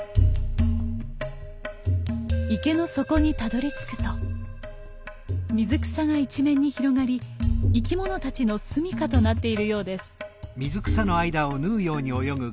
池の底にたどりつくと水草が一面に広がり生き物たちのすみかとなっているようです。